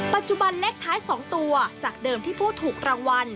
ปัจจุบันเลขท้าย๒ตัวจากเดิมที่ผู้ถูกรางวัล